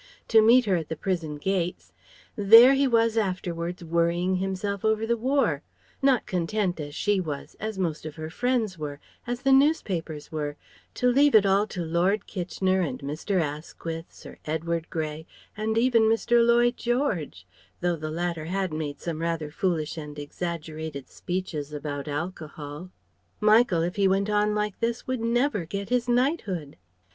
to meet her at the prison gates, there he was, afterwards, worrying himself over the War: not content as she was, as most of her friends were, as the newspapers were, to leave it all to Lord Kitchener and Mr. Asquith, Sir Edward Grey, and even Mr. Lloyd George though the latter had made some rather foolish and exaggerated speeches about Alcohol. Michael, if he went on like this, would never get his knighthood!